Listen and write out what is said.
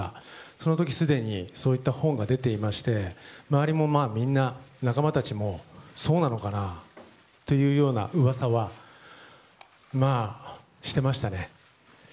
その時、すでにそういった本が出ていまして周りもみんな、仲間たちもそうなのかな？っていうような噂はまあしてましたね。